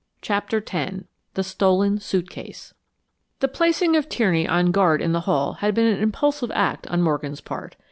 CHAPTER X THE STOLEN SUITCASE The placing of Tierney on guard in the hall had been an impulsive act on Morgan's part.